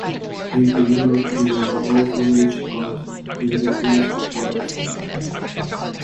He grew up in an orphanage and never finished primary school.